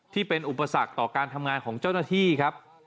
ที่เป็นอุปสรรคต่อการทำงานของเจ้าหน้าที่ครับ